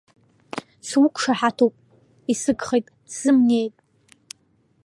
Суқәшаҳатуп, исыгхеит, сзымнеит.